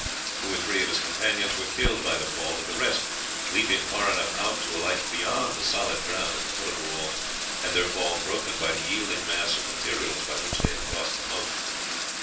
Two or three of his companions were killed by the fall, but the rest, leaping far enough out to alight beyond the solid ground at the foot of the walls, had their fall broken by the yielding mass of materials by which they had crossed the moat.